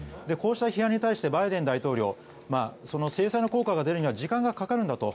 こうした批判に対してバイデン大統領制裁の効果が出るには時間がかかるんだ